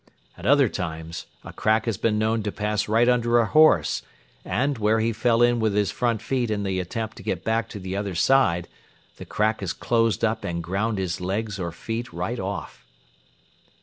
At other times a crack has been known to pass right under a horse and, where he fell in with his front feet in the attempt to get back to the other side, the crack has closed up and ground his legs or feet right off.